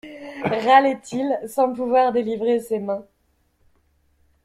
Râlait-il, sans pouvoir délivrer ses mains.